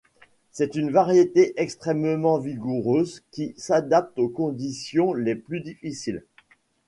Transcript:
C'est une variété extrêmement vigoureuse qui s'adapte aux conditions les plus difficiles.